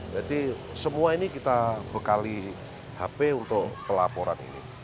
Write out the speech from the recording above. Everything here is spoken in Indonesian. jadi semua ini kita bekali hp untuk pelaporan ini